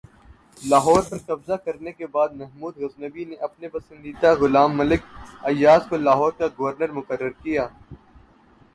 لاہور پر قبضہ کرنے کے بعد محمود غزنوی نے اپنے پسندیدہ غلام ملک ایاز کو لاہور کا گورنر مقرر کیا